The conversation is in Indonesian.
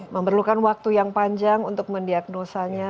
memerlukan waktu yang panjang untuk mendiagnosanya